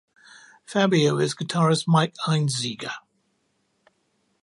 'Fabio' is guitarist Mike Einziger.